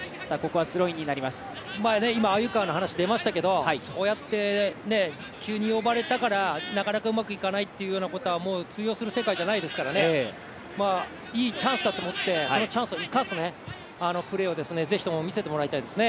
今、鮎川の話出ましたけどそうやって、急に呼ばれたからなかなかうまくいかないっていうことが通用する世界ではないのでいいチャンスだと思ってそのチャンスを生かすプレーをぜひとも見せてもらいたいです